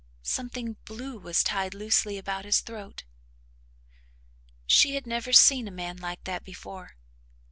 Something blue was tied loosely about his throat. She had never seen a man like that before.